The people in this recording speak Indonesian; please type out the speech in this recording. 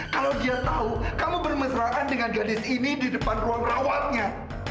kalau dia tahu kalau bermesraan dengan gadis ini di depan ruang rawatnya